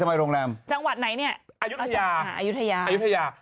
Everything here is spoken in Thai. อายุธยา